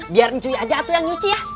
biar ncuy aja atu yang nyuci ya